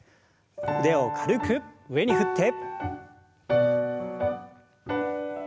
腕を軽く上に振って。